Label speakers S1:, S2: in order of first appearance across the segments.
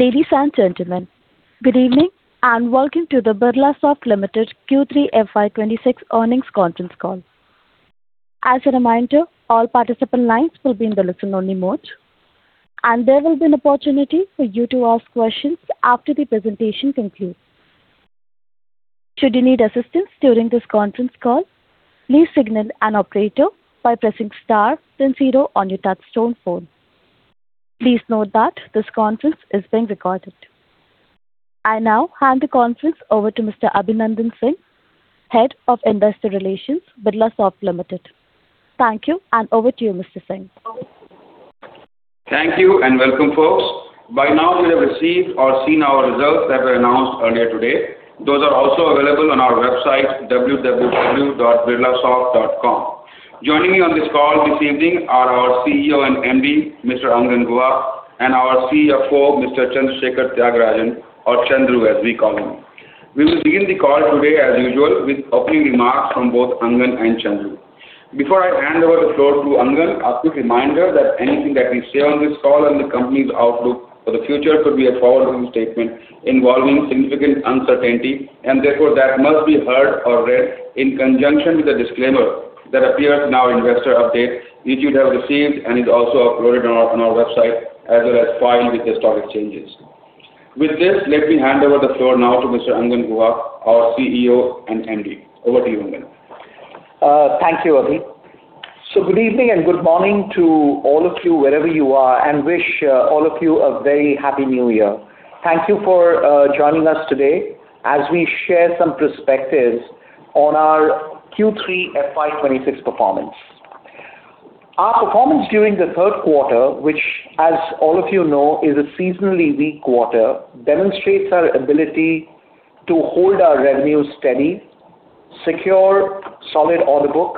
S1: Ladies and gentlemen, good evening, and welcome to the Birlasoft Limited Q3 FY 2026 earnings conference call. As a reminder, all participant lines will be in the listen-only mode, and there will be an opportunity for you to ask questions after the presentation concludes. Should you need assistance during this conference call, please signal an operator by pressing star then zero on your touchtone phone. Please note that this conference is being recorded. I now hand the conference over to Mr. Abhinandan Singh, Head of Investor Relations, Birlasoft Limited. Thank you, and over to you, Mr. Singh.
S2: Thank you, and welcome, folks. By now, you have received or seen our results that were announced earlier today. Those are also available on our website, www.birlasoft.com. Joining me on this call this evening are our CEO and MD, Mr. Angan Guha, and our CFO, Mr. Chandrasekar Thyagarajan, or Chandru, as we call him. We will begin the call today, as usual, with opening remarks from both Angan and Chandru. Before I hand over the floor to Angan, a quick reminder that anything that we say on this call and the company's outlook for the future could be a forward-looking statement involving significant uncertainty, and therefore, that must be heard or read in conjunction with the disclaimer that appears in our investor update, which you'd have received and is also uploaded on our, on our website, as well as filed with the stock exchanges. With this, let me hand over the floor now to Mr. Angan Guha, our CEO and MD. Over to you, Angan.
S3: Thank you, Abhi. So good evening, and good morning to all of you, wherever you are, and wish all of you a very Happy New Year. Thank you for joining us today as we share some perspectives on our Q3 FY 2026 performance. Our performance during the third quarter, which, as all of you know, is a seasonally weak quarter, demonstrates our ability to hold our revenue steady, secure solid order book,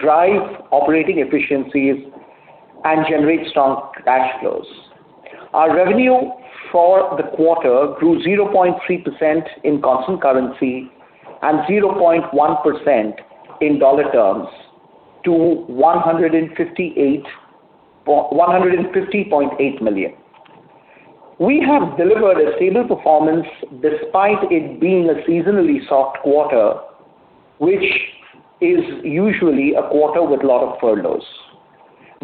S3: drive operating efficiencies, and generate strong cash flows. Our revenue for the quarter grew 0.3% in constant currency and 0.1% in dollar terms to $150.8 million. We have delivered a stable performance despite it being a seasonally soft quarter, which is usually a quarter with a lot of furloughs.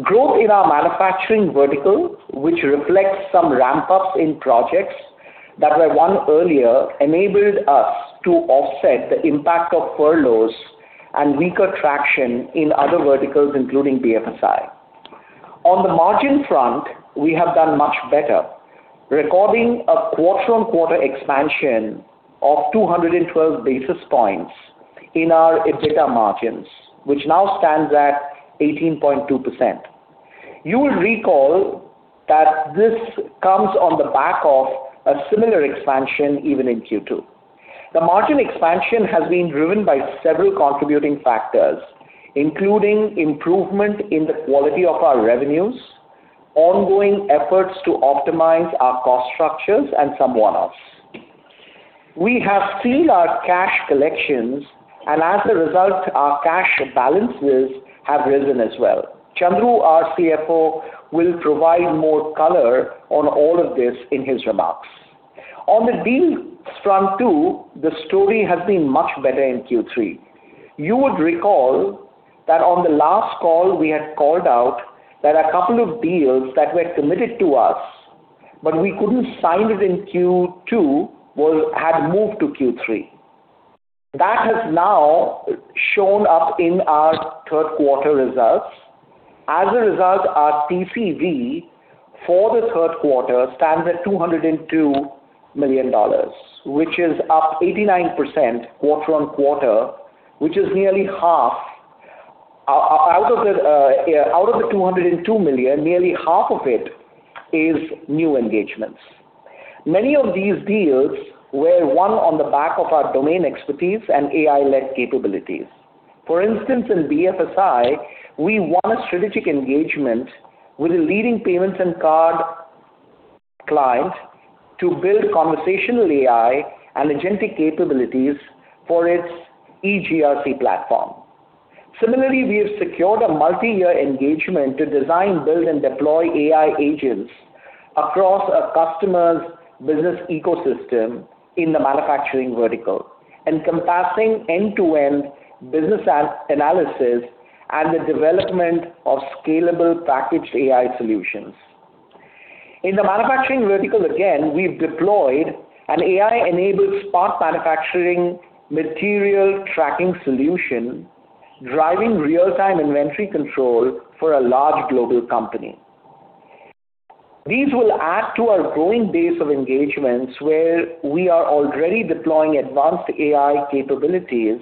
S3: Growth in our manufacturing vertical, which reflects some ramp-ups in projects that were won earlier, enabled us to offset the impact of furloughs and weaker traction in other verticals, including BFSI. On the margin front, we have done much better, recording a quarter-on-quarter expansion of 212 basis points in our EBITDA margins, which now stands at 18.2%. You will recall that this comes on the back of a similar expansion, even in Q2. The margin expansion has been driven by several contributing factors, including improvement in the quality of our revenues, ongoing efforts to optimize our cost structures, and some one-offs. We have seen our cash collections, and as a result, our cash balances have risen as well. Chandru, our CFO, will provide more color on all of this in his remarks. On the deals front, too, the story has been much better in Q3. You would recall that on the last call, we had called out that a couple of deals that were committed to us, but we couldn't sign it in Q2, had moved to Q3. That has now shown up in our third quarter results. As a result, our TCV for the third quarter stands at $202 million, which is up 89% quarter on quarter, which is nearly half. Out of the $202 million, nearly half of it is new engagements. Many of these deals were won on the back of our domain expertise and AI-led capabilities. For instance, in BFSI, we won a strategic engagement with a leading payments and card client to build conversational AI and agentic capabilities for its EGRC platform. Similarly, we have secured a multi-year engagement to design, build, and deploy AI agents across a customer's business ecosystem in the manufacturing vertical, encompassing end-to-end business analysis and the development of scalable packaged AI solutions. In the manufacturing vertical, again, we've deployed an AI-enabled spot manufacturing material tracking solution, driving real-time inventory control for a large global company. These will add to our growing base of engagements, where we are already deploying advanced AI capabilities,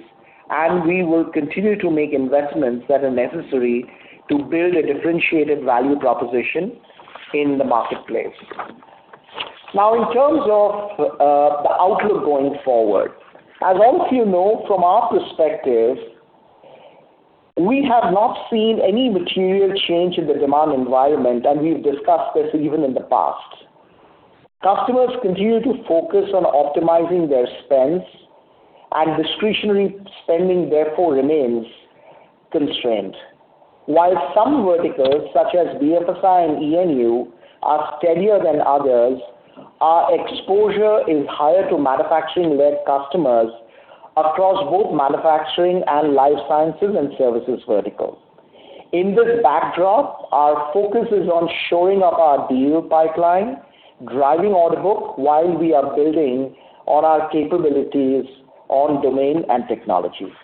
S3: and we will continue to make investments that are necessary to build a differentiated value proposition in the marketplace. Now, in terms of the outlook going forward, as all of you know, from our perspective, we have not seen any material change in the demand environment, and we've discussed this even in the past. Customers continue to focus on optimizing their spends, and discretionary spending, therefore, remains constrained. While some verticals, such as BFSI and E&U, are steadier than others, our exposure is higher to manufacturing-led customers across both manufacturing and Life Sciences and Services verticals. In this backdrop, our focus is on showing off our deal pipeline, driving order book, while we are building on our capabilities on domain and technologies.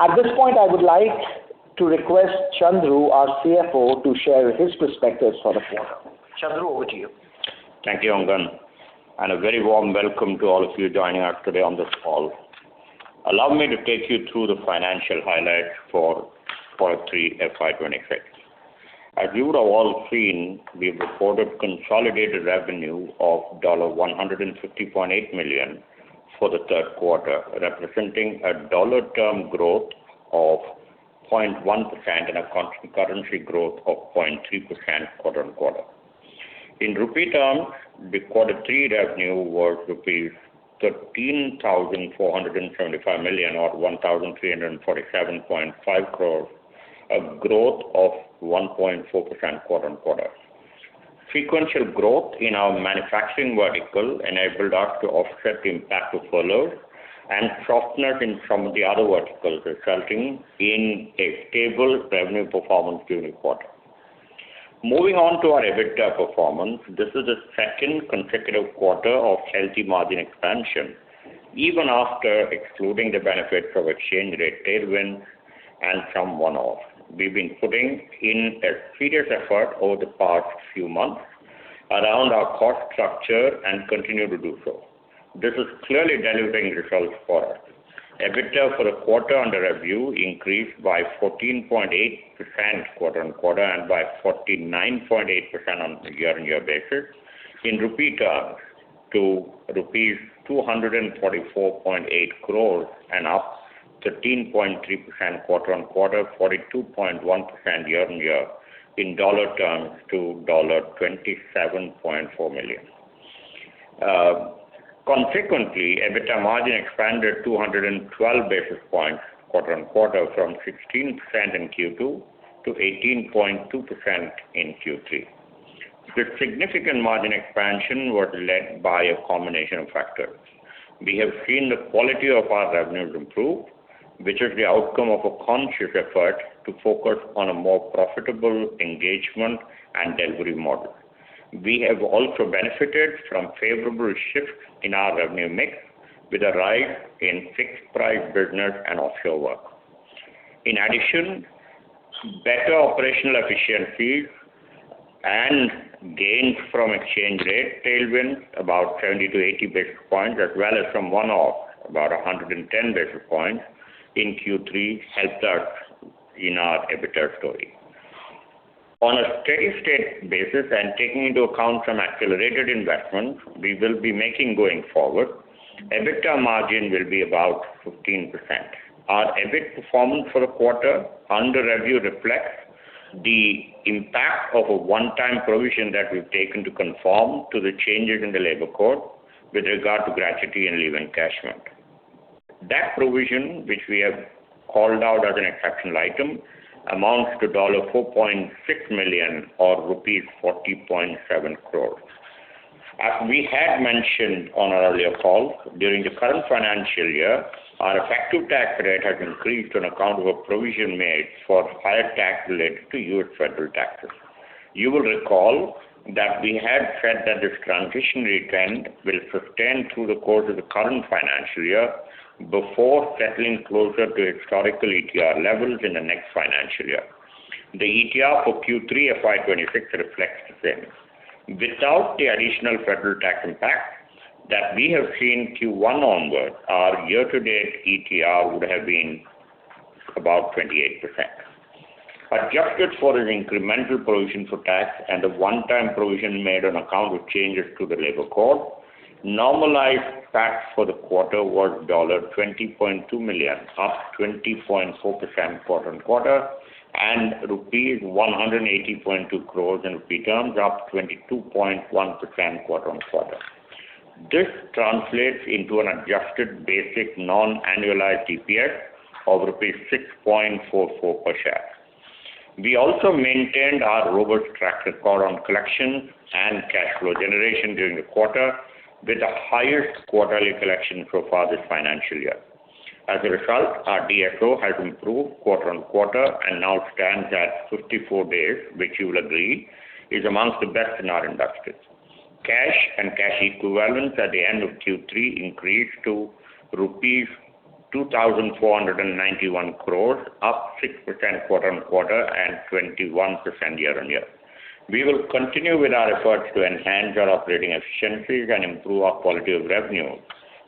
S3: At this point, I would like to request Chandru, our CFO, to share his perspectives for the quarter. Chandru, over to you.
S4: Thank you, Angan, and a very warm welcome to all of you joining us today on this call. Allow me to take you through the financial highlights for quarter 3, FY 2026. As you would have all seen, we've reported consolidated revenue of $150.8 million for the third quarter, representing a dollar term growth of 0.1% and a constant-currency growth of 0.3% quarter on quarter. In rupee terms, the quarter 3 revenue was rupees 13,475 million, or 1,347.5 crores, a growth of 1.4% quarter on quarter. Sequential growth in our manufacturing vertical enabled us to offset the impact of furlough and softness in some of the other verticals, resulting in a stable revenue performance during the quarter. Moving on to our EBITDA performance, this is the second consecutive quarter of healthy margin expansion, even after excluding the benefit from exchange rate tailwind and some one-off. We've been putting in a serious effort over the past few months around our cost structure and continue to do so. This is clearly delivering results for us. EBITDA for the quarter under review increased by 14.8% quarter-on-quarter, and by 49.8% on a year-on-year basis. In rupee terms, to rupees 244.8 crores, and up 13.3% quarter-on-quarter, 42.1% year-on-year, in dollar terms to $27.4 million. Consequently, EBITDA margin expanded 212 basis points quarter-on-quarter from 16% in Q2 to 18.2% in Q3. This significant margin expansion was led by a combination of factors. We have seen the quality of our revenues improve, which is the outcome of a conscious effort to focus on a more profitable engagement and delivery model. We have also benefited from favorable shifts in our revenue mix, with a rise in fixed price business and offshore work. In addition, better operational efficiencies and gains from exchange rate tailwind, about 70-80 basis points, as well as from one-off, about 110 basis points in Q3, helped us in our EBITDA story. On a steady-state basis, and taking into account some accelerated investments we will be making going forward, EBITDA margin will be about 15%. Our EBIT performance for the quarter under review reflects the impact of a one-time provision that we've taken to conform to the changes in the Labor Code with regard to gratuity and leave encashment. That provision, which we have called out as an exceptional item, amounts to $4.6 million or rupees 40.7 crore. As we had mentioned on our earlier call, during the current financial year, our effective tax rate has increased on account of a provision made for higher tax related to U.S. federal taxes. You will recall that we had said that this transitionary trend will sustain through the course of the current financial year before settling closer to historical ETR levels in the next financial year. The ETR for Q3 FY2026 reflects the same. Without the additional federal tax impact that we have seen Q1 onward, our year-to-date ETR would have been about 28%. Adjusted for an incremental provision for tax and a one-time provision made on account of changes to the labor code, normalized tax for the quarter was $20.2 million, up 20.4% quarter-on-quarter, and rupees 180.2 crores in rupee terms, up 22.1% quarter-on-quarter. This translates into an adjusted basic non-annualized EPS of rupees 6.44 per share. We also maintained our robust track record on collection and cash flow generation during the quarter, with the highest quarterly collection so far this financial year. As a result, our DSO has improved quarter-on-quarter and now stands at 54 days, which you will agree is amongst the best in our industry. Cash and cash equivalents at the end of Q3 increased to rupees 2,491 crore, up 6% quarter-on-quarter, and 21% year-on-year. We will continue with our efforts to enhance our operating efficiencies and improve our quality of revenue,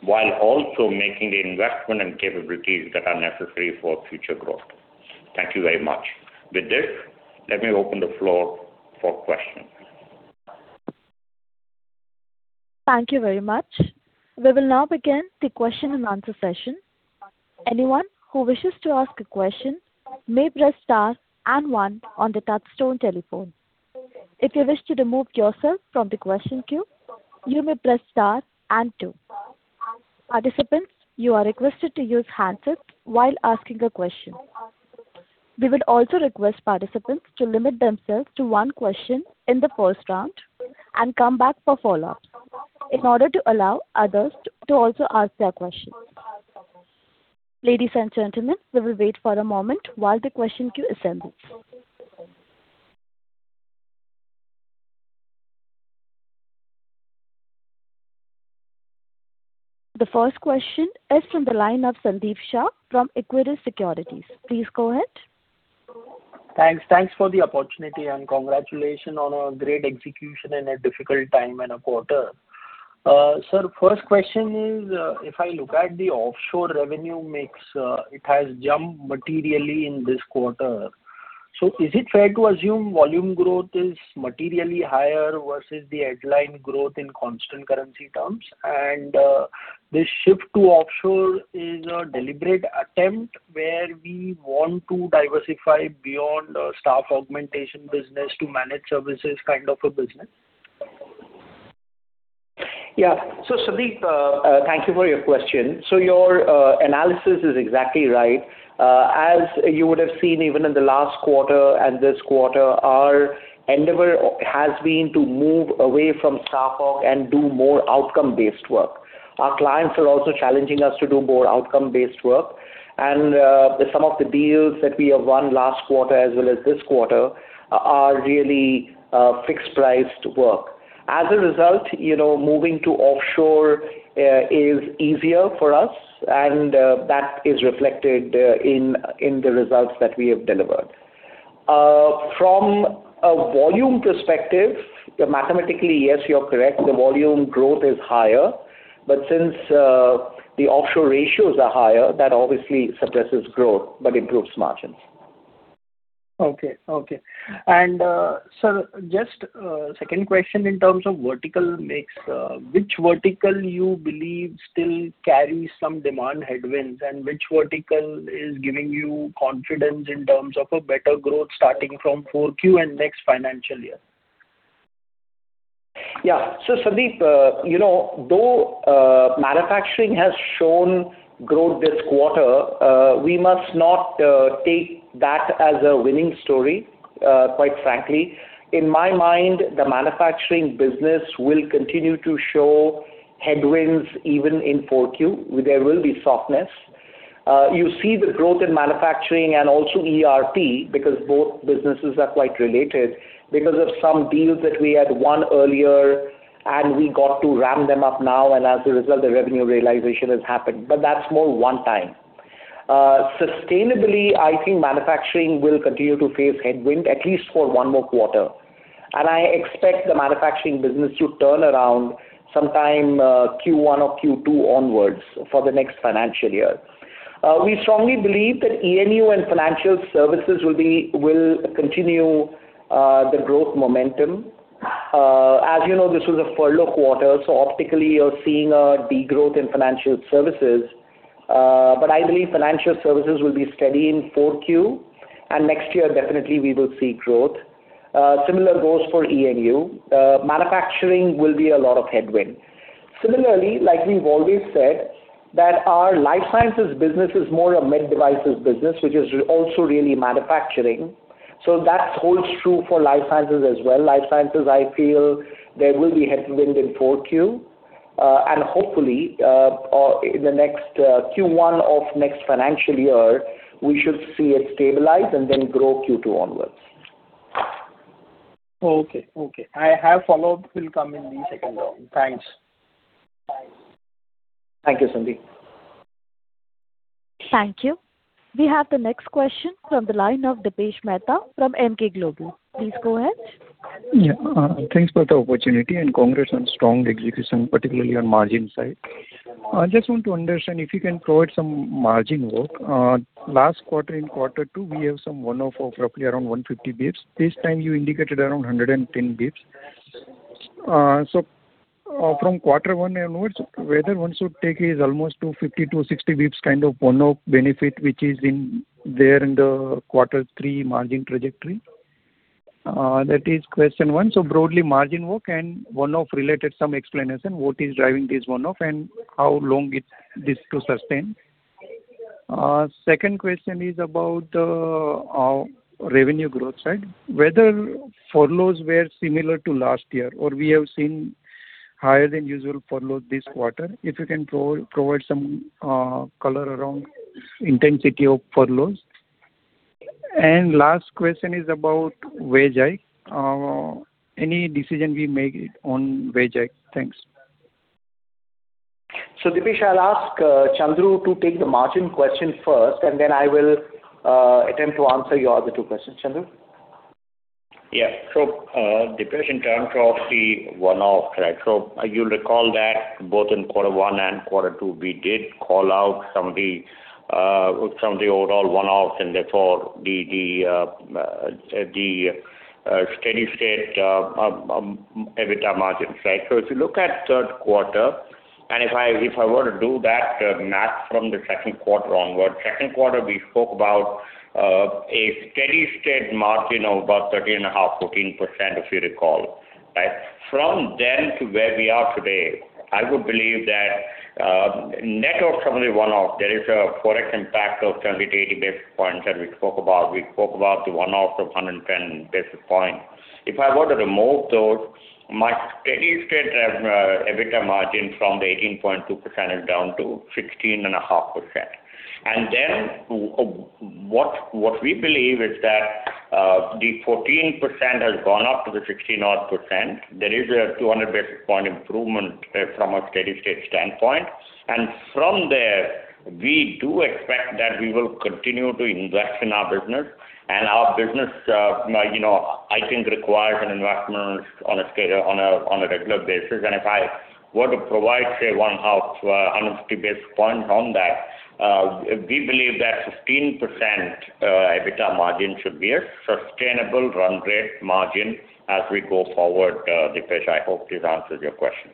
S4: while also making the investment and capabilities that are necessary for future growth. Thank you very much. With this, let me open the floor for questions.
S1: Thank you very much. We will now begin the question and answer session. Anyone who wishes to ask a question may press star and one on the touchtone telephone. If you wish to remove yourself from the question queue, you may press star and two.... Participants, you are requested to use handsets while asking a question. We would also request participants to limit themselves to one question in the first round and come back for follow-up, in order to allow others to also ask their questions. Ladies and gentlemen, we will wait for a moment while the question queue assembles. The first question is from the line of Sandeep Shah from Equirus Securities. Please go ahead.
S5: Thanks. Thanks for the opportunity, and congratulations on a great execution in a difficult time and a quarter. Sir, first question is, if I look at the offshore revenue mix, it has jumped materially in this quarter. So is it fair to assume volume growth is materially higher versus the headline growth in constant currency terms? And, this shift to offshore is a deliberate attempt where we want to diversify beyond our staff augmentation business to managed services kind of a business?
S3: Yeah. So Sandeep, thank you for your question. So your analysis is exactly right. As you would have seen, even in the last quarter and this quarter, our endeavor has been to move away from staff aug and do more outcome-based work. Our clients are also challenging us to do more outcome-based work. And some of the deals that we have won last quarter, as well as this quarter, are really fixed-priced work. As a result, you know, moving to offshore is easier for us, and that is reflected in the results that we have delivered. From a volume perspective, mathematically, yes, you're correct, the volume growth is higher, but since the offshore ratios are higher, that obviously suppresses growth, but improves margins.
S5: Okay. Okay. And, sir, just, second question in terms of vertical mix. Which vertical you believe still carries some demand headwinds, and which vertical is giving you confidence in terms of a better growth starting from 4Q and next financial year?
S3: Yeah. So Sandeep, you know, though, manufacturing has shown growth this quarter, we must not take that as a winning story, quite frankly. In my mind, the manufacturing business will continue to show headwinds even in 4Q. There will be softness. You see the growth in manufacturing and also ERP, because both businesses are quite related, because of some deals that we had won earlier, and we got to ramp them up now, and as a result, the revenue realization has happened. But that's more one time. Sustainably, I think manufacturing will continue to face headwind, at least for one more quarter. And I expect the manufacturing business to turn around sometime, Q1 or Q2 onwards for the next financial year. We strongly believe that ENU and financial services will be, will continue, the growth momentum. As you know, this was a furlough quarter, so optically, you're seeing a degrowth in financial services. But I believe financial services will be steady in 4Q, and next year, definitely we will see growth. Similar goes for ENU. Manufacturing will be a lot of headwind. Similarly, like we've always said, that our life sciences business is more a med devices business, which is also really manufacturing. So that holds true for life sciences as well. Life sciences, I feel there will be headwind in 4Q. And hopefully, or in the next Q1 of next financial year, we should see it stabilize and then grow Q2 onwards.
S5: Okay. Okay. I have follow-up. Will come in the second round. Thanks. Bye.
S3: Thank you, Sandeep.
S1: Thank you. We have the next question from the line of Dipesh Mehta from Emkay Global. Please go ahead.
S6: Yeah, thanks for the opportunity, and congrats on strong execution, particularly on margin side. I just want to understand if you can provide some margin walk. Last quarter, in quarter two, we have some one-off of roughly around 150 basis points. This time you indicated around 110 basis points. So, from quarter one onwards, whether one should take is almost 250-60 basis points kind of one-off benefit, which is in there in the quarter three margin trajectory? That is question one. So broadly, margin walk and one-off related, some explanation, what is driving this one-off, and how long this to sustain? Second question is about, our revenue growth side. Whether furloughs were similar to last year, or we have seen higher than usual furloughs this quarter? If you can provide some color around intensity of furloughs. Last question is about wage hike. Any decision we make on wage hike? Thanks.
S3: So Dipesh, I'll ask Chandru to take the margin question first, and then I will attempt to answer your other two questions. Chandru?
S4: Yeah. So, Dipesh, in terms of the one-off, right? So you'll recall that both in quarter one and quarter two, we did call out some of the overall one-offs, and therefore, the steady state EBITDA margins, right? So if you look at third quarter, and if I were to do that math from the second quarter onward, second quarter, we spoke about a steady state margin of about 13.5-14%, if you recall, right? From then to where we are today, I would believe that, net of company one-off, there is a Forex impact of 70-80 basis points that we spoke about. We spoke about the one-off of 110 basis points. If I were to remove those, my steady state EBITDA margin from the 18.2% is down to 16.5%. And then what we believe is that the 14% has gone up to the 16-odd%. There is a 200 basis point improvement from a steady-state standpoint. And from there, we do expect that we will continue to invest in our business. And our business, you know, I think requires an investment on a scale, on a regular basis. And if I were to provide, say, 0.5-150 basis points on that, we believe that 15% EBITDA margin should be a sustainable run rate margin as we go forward, Dipesh. I hope this answers your question.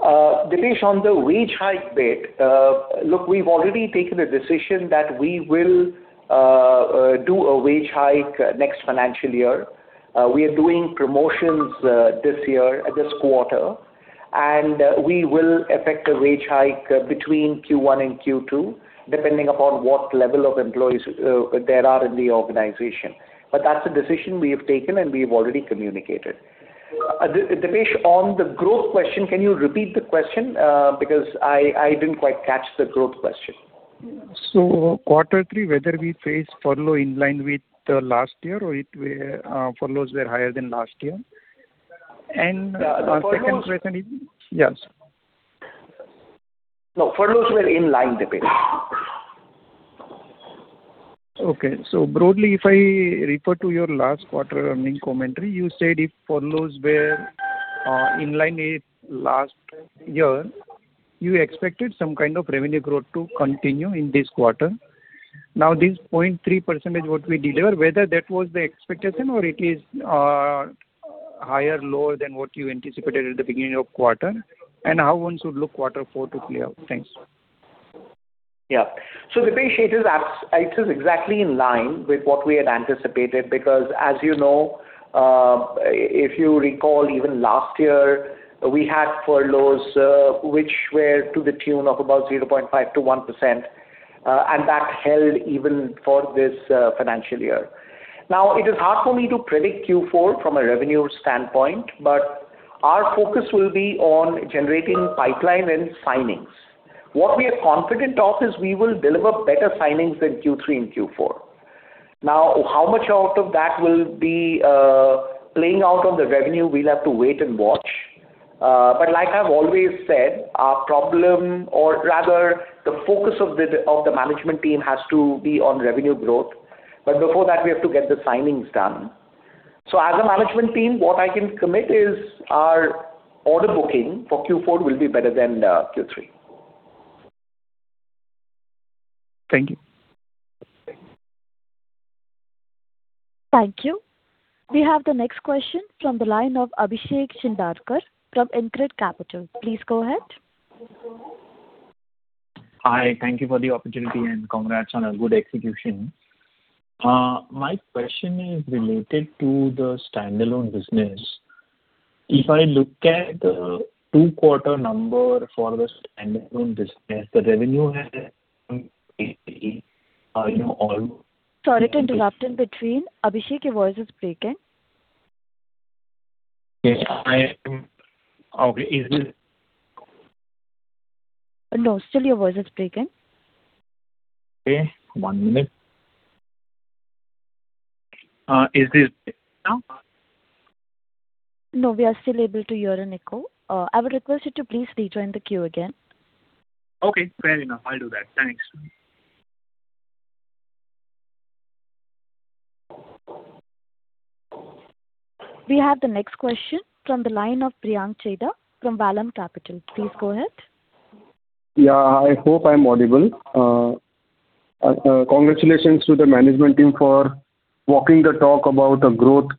S3: Dipesh, on the wage hike bit, look, we've already taken a decision that we will do a wage hike next financial year. We are doing promotions this year, this quarter, and we will effect a wage hike between Q1 and Q2, depending upon what level of employees there are in the organization. But that's a decision we have taken, and we've already communicated. Dipesh, on the growth question, can you repeat the question? Because I didn't quite catch the growth question.
S6: So quarter three, whether we face furlough in line with the last year or it were, furloughs were higher than last year? And,
S3: Yeah, furloughs-
S6: Second question is... Yes.
S3: No, furloughs were in line, Dipesh.
S6: Okay. So broadly, if I refer to your last quarter earnings commentary, you said if furloughs were in line with last year, you expected some kind of revenue growth to continue in this quarter. Now, this 0.3% what we deliver, whether that was the expectation or it is higher, lower than what you anticipated at the beginning of quarter? And how one should look quarter four to clear up? Thanks.
S3: Yeah. So Dipesh, it is exactly in line with what we had anticipated, because, as you know, if you recall, even last year, we had furloughs, which were to the tune of about 0.5%-1%, and that held even for this financial year. Now, it is hard for me to predict Q4 from a revenue standpoint, but our focus will be on generating pipeline and signings. What we are confident of is we will deliver better signings in Q3 and Q4. Now, how much out of that will be playing out on the revenue? We'll have to wait and watch. But like I've always said, our problem, or rather, the focus of the management team has to be on revenue growth, but before that, we have to get the signings done. As a management team, what I can commit is our order booking for Q4 will be better than Q3.
S6: Thank you.
S1: Thank you. We have the next question from the line of Abhishek Shindadkar from InCred Capital. Please go ahead.
S7: Hi, thank you for the opportunity, and congrats on a good execution. My question is related to the standalone business. If I look at, two quarter number for the standalone business, the revenue has been
S1: Sorry to interrupt in between. Abhishek, your voice is breaking.
S7: Yes, I am... Okay, is this-
S1: No, still your voice is breaking.
S7: Okay, one minute. Is this better now?
S1: No, we are still able to hear an echo. I would request you to please rejoin the queue again.
S7: Okay, fair enough. I'll do that. Thanks.
S1: We have the next question from the line of Priyank Chheda from Vallum Capital. Please go ahead.
S8: Yeah, I hope I'm audible. Congratulations to the management team for walking the talk about the growth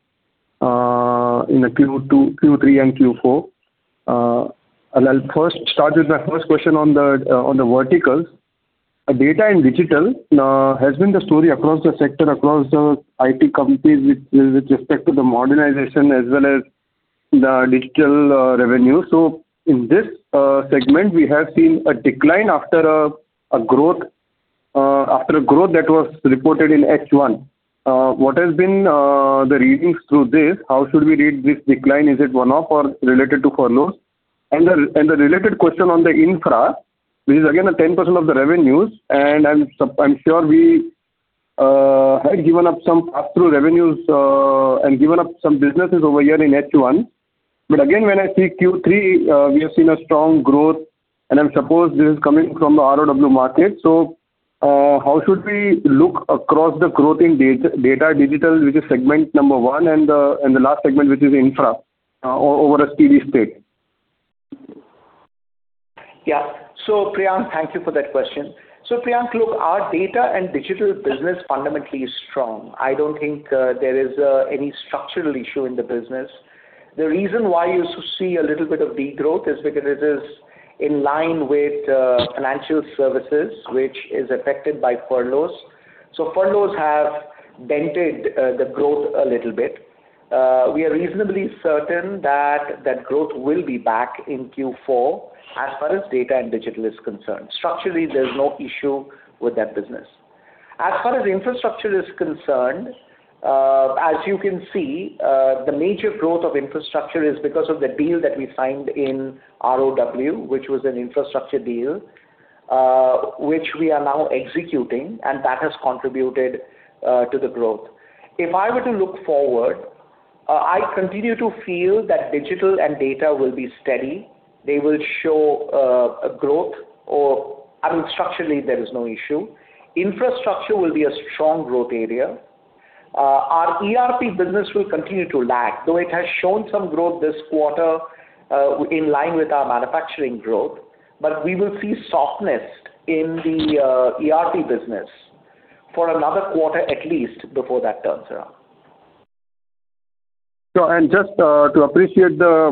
S8: in the Q2, Q3, and Q4. I'll first start with my first question on the verticals. Data and digital has been the story across the sector, across the IT companies with respect to the modernization as well as the digital revenue. So in this segment, we have seen a decline after a growth that was reported in H1. What has been the readings through this? How should we read this decline? Is it one-off or related to furloughs? And the related question on the infra, which is again a 10% of the revenues, and I'm sure we had given up some pass-through revenues and given up some businesses over here in H1. But again, when I see Q3, we have seen a strong growth, and I suppose this is coming from the ROW market. So, how should we look across the growth in data digital, which is segment number one, and the last segment, which is infra, over a steady state?
S3: Yeah. So, Priyank, thank you for that question. So, Priyank, look, our data and digital business fundamentally is strong. I don't think there is any structural issue in the business. The reason why you see a little bit of degrowth is because it is in line with financial services, which is affected by furloughs. So furloughs have dented the growth a little bit. We are reasonably certain that that growth will be back in Q4 as far as data and digital is concerned. Structurally, there's no issue with that business. As far as infrastructure is concerned, as you can see, the major growth of infrastructure is because of the deal that we signed in ROW, which was an infrastructure deal, which we are now executing, and that has contributed to the growth. If I were to look forward, I continue to feel that digital and data will be steady. They will show a growth or, I mean, structurally, there is no issue. Infrastructure will be a strong growth area. Our ERP business will continue to lag, though it has shown some growth this quarter, in line with our manufacturing growth. But we will see softness in the ERP business for another quarter, at least, before that turns around.
S8: Just to appreciate the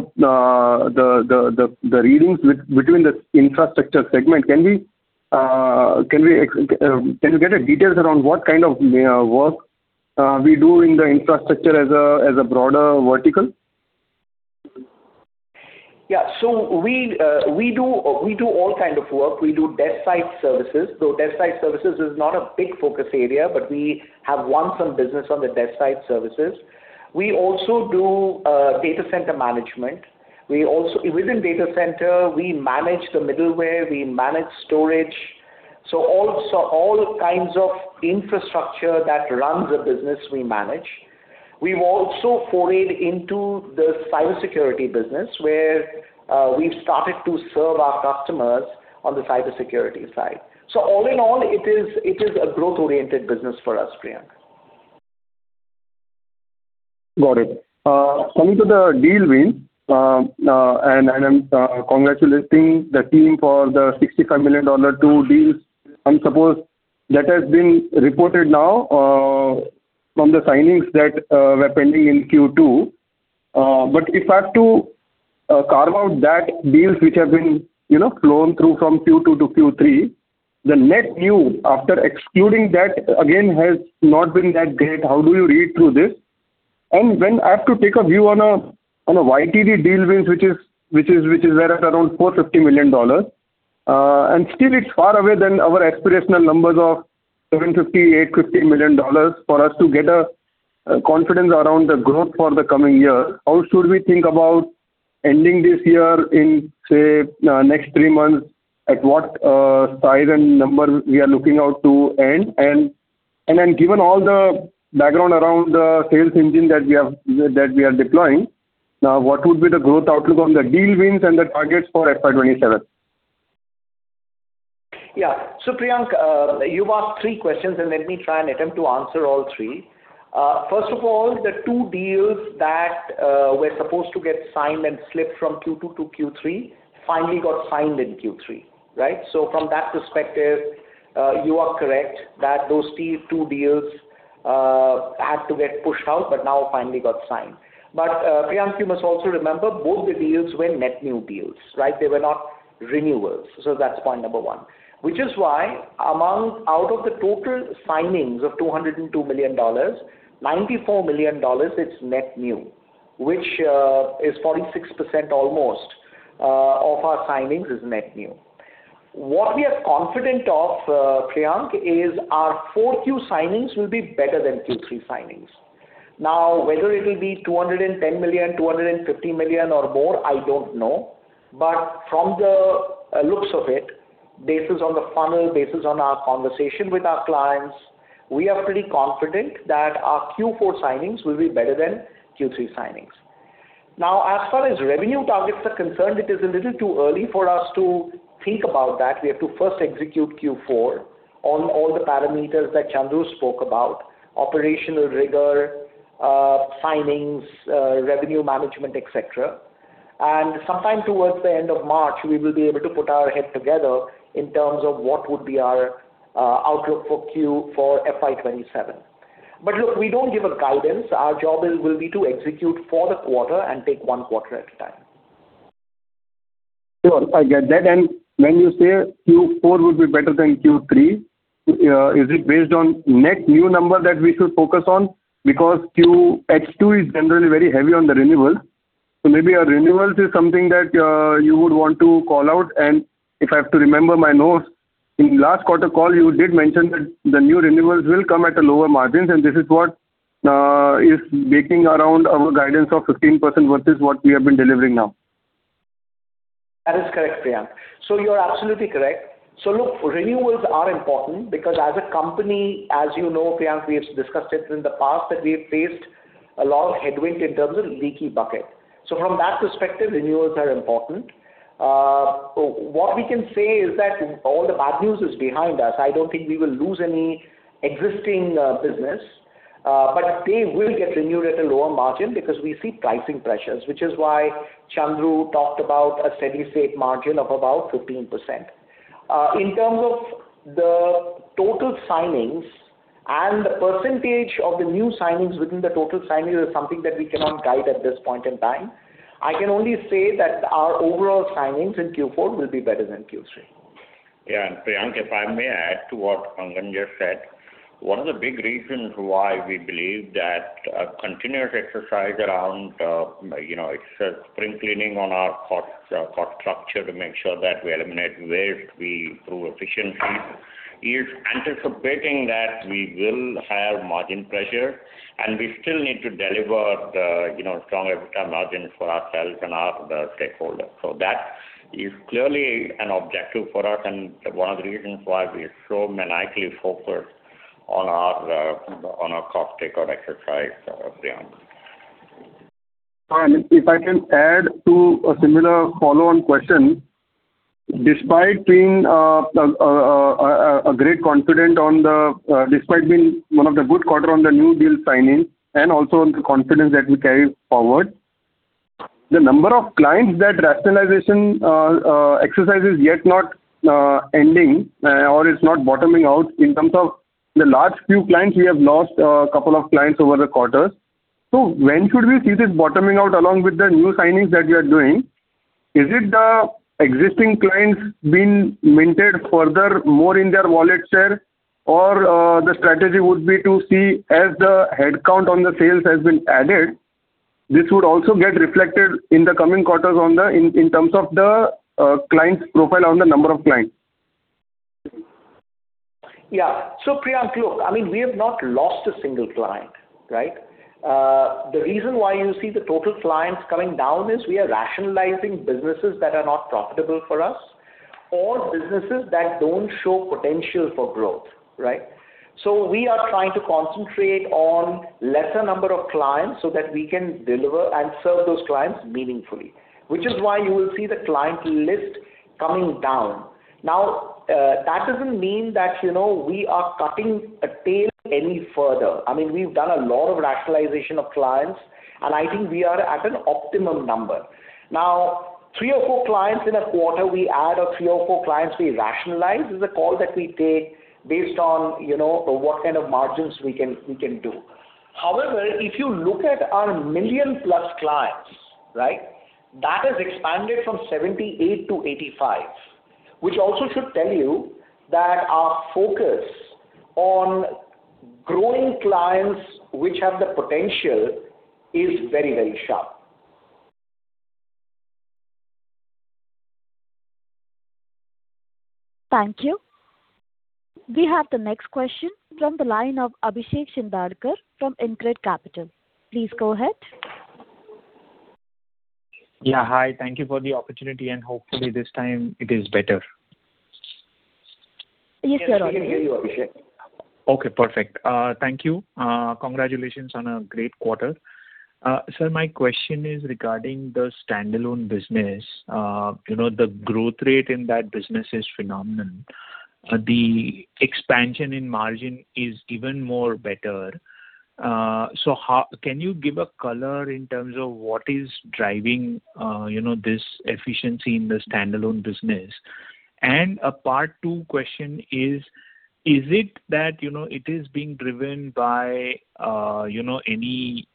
S8: readings between the infrastructure segment, can you get details around what kind of work we do in the infrastructure as a broader vertical?
S3: Yeah. So we do, we do all kind of work. We do desk-side services, though desk-side services is not a big focus area, but we have won some business on the desk-side services. We also do data center management. Within data center, we manage the middleware, we manage storage. So all, so all kinds of infrastructure that runs a business, we manage. We've also forayed into the cybersecurity business, where we've started to serve our customers on the cybersecurity side. So all in all, it is a growth-oriented business for us, Priyank.
S8: Got it. Coming to the deal wins, and congratulating the team for the $65 million two deals. And suppose that has been reported now, from the signings that were pending in Q2. But if I have to carve out that deals which have been, you know, flown through from Q2 to Q3, the net new, after excluding that, again, has not been that great. How do you read through this? And when I have to take a view on a YTD deal wins, which is there at around $450 million. And still it's far away than our aspirational numbers of $750-$850 million for us to get a confidence around the growth for the coming year. How should we think about ending this year in, say, next three months, at what size and numbers we are looking out to end? And then given all the background around the sales engine that we have that we are deploying, now, what would be the growth outlook on the deal wins and the targets for FY 2027?
S3: Yeah. So, Priyank, you've asked three questions, and let me try and attempt to answer all three. First of all, the two deals that were supposed to get signed and slipped from Q2 to Q3 finally got signed in Q3, right? So from that perspective, you are correct that those two, two deals had to get pushed out, but now finally got signed. But, Priyank, you must also remember, both the deals were net new deals, right? They were not renewals. So that's point number one. Which is why out of the total signings of $202 million, $94 million is net new, which is 46% almost of our signings is net new. What we are confident of, Priyank, is our Q4 signings will be better than Q3 signings. Now, whether it will be $210 million, $250 million or more, I don't know. But from the looks of it, basis on the funnel, basis on our conversation with our clients, we are pretty confident that our Q4 signings will be better than Q3 signings. Now, as far as revenue targets are concerned, it is a little too early for us to think about that. We have to first execute Q4 on all the parameters that Chandru spoke about: operational rigor, signings, revenue management, et cetera. And sometime towards the end of March, we will be able to put our head together in terms of what would be our outlook for Q- for FY 2027. But look, we don't give a guidance. Our job is- will be to execute for the quarter and take one quarter at a time.
S8: Sure, I get that. And when you say Q4 will be better than Q3, is it based on net new number that we should focus on? Because Q2 is generally very heavy on the renewals. So maybe our renewals is something that, you would want to call out. And if I have to remember my notes, in last quarter call, you did mention that the new renewals will come at a lower margins, and this is what, is making around our guidance of 15% versus what we have been delivering now.
S3: That is correct, Priyank. So you are absolutely correct. So look, renewals are important because as a company, as you know, Priyank, we have discussed it in the past, that we have faced a lot of headwind in terms of leaky bucket. So from that perspective, renewals are important. What we can say is that all the bad news is behind us. I don't think we will lose any existing business, but they will get renewed at a lower margin because we see pricing pressures, which is why Chandru talked about a steady state margin of about 15%. In terms of the total signings and the percentage of the new signings within the total signings is something that we cannot guide at this point in time. I can only say that our overall signings in Q4 will be better than Q3.
S4: Yeah, and Priyank, if I may add to what Angan just said, one of the big reasons why we believe that a continuous exercise around, you know, it's a spring cleaning on our cost, cost structure to make sure that we eliminate waste, we improve efficiency, is anticipating that we will have margin pressure, and we still need to deliver the, you know, strong EBITDA margin for ourselves and our, the stakeholders. So that is clearly an objective for us, and one of the reasons why we're so maniacally focused on our, on our cost takeout exercise, Priyank.
S8: If I can add to a similar follow-on question. Despite being a great confidence on the despite being one of the good quarter on the new deal signings and also on the confidence that we carry forward, the number of clients that rationalization exercise is yet not ending or it's not bottoming out. In terms of the large few clients, we have lost a couple of clients over the quarters. So when should we see this bottoming out along with the new signings that you are doing? Is it the existing clients being mined further more in their wallet share, or the strategy would be to see as the headcount on the sales has been added, this would also get reflected in the coming quarters on the in terms of the client's profile on the number of clients?
S3: Yeah. So Priyank, look, I mean, we have not lost a single client, right? The reason why you see the total clients coming down is we are rationalizing businesses that are not profitable for us or businesses that don't show potential for growth, right? So we are trying to concentrate on lesser number of clients so that we can deliver and serve those clients meaningfully, which is why you will see the client list coming down. Now, that doesn't mean that, you know, we are cutting a tail any further. I mean, we've done a lot of rationalization of clients, and I think we are at an optimum number. Now, three or four clients in a quarter, we add, or three or four clients we rationalize, is a call that we take based on, you know, what kind of margins we can, we can do. However, if you look at our million-plus clients, right, that has expanded from 78 to 85, which also should tell you that our focus on growing clients, which have the potential, is very, very sharp.
S1: Thank you. We have the next question from the line of Abhishek Shindarkar from InCred Capital. Please go ahead.
S7: Yeah, hi. Thank you for the opportunity, and hopefully this time it is better.
S1: Yes, sir.
S3: We can hear you, Abhishek.
S7: Okay, perfect. Thank you. Congratulations on a great quarter. So my question is regarding the standalone business. You know, the growth rate in that business is phenomenal. The expansion in margin is even more better. So how can you give a color in terms of what is driving, you know, this efficiency in the standalone business? And a part two question is, is it that, you know, it is being driven by, you know, any